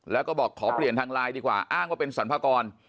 แล้วก็บอกขอเปลี่ยนทางไลน์ดีกว่าอ้างว่าเป็นสรรพากร